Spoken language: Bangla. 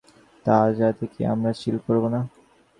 তা আজরাতে কি আমরা চিল করবো না?